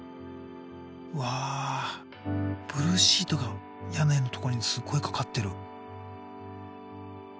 うわブルーシートが屋根のとこにすっごい掛かってる。